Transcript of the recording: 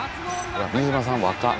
水沼さん若っ。